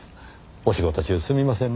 お仕事中すみませんね。